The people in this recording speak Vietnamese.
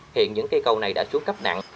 hiện những cây cầu này đã trú cấp nặng